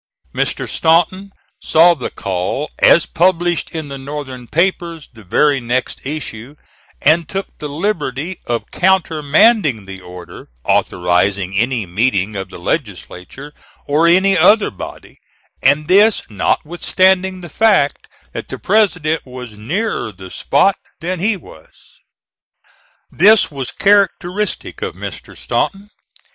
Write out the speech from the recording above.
Mr. Stanton saw the call as published in the Northern papers the very next issue and took the liberty of countermanding the order authorizing any meeting of the Legislature, or any other body, and this notwithstanding the fact that the President was nearer the spot than he was. This was characteristic of Mr. Stanton.